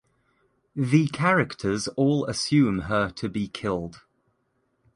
The characters all assume her to be killed.